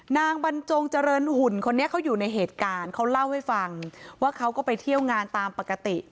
บรรจงเจริญหุ่นคนนี้เขาอยู่ในเหตุการณ์เขาเล่าให้ฟังว่าเขาก็ไปเที่ยวงานตามปกติ